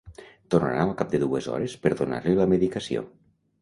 Tornaran al cap de dues hores per donar-li la medicació.